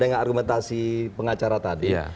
dengan argumentasi pengacara tadi